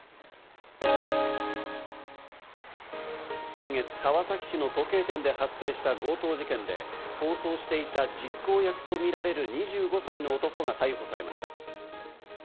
先月、川崎市の時計店で発生した強盗事件で、逃走していた実行役とみられる２５歳の男が逮捕されました。